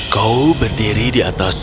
kau berdiri di atas